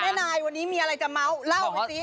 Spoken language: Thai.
นายวันนี้มีอะไรจะเมาส์เล่าไปสิ